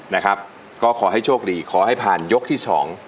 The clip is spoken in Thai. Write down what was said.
นะครับก็ขอให้โชคดีขอให้ผ่านยกที่สอง